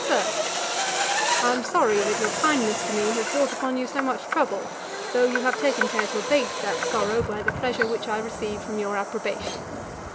'SIR, 'I am sorry that your kindness to me has brought upon you so much trouble, though you have taken care to abate that sorrow, by the pleasure which I receive from your approbation.